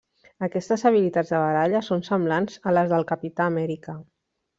Aquestes habilitats de baralla, són semblants a les del Capità Amèrica.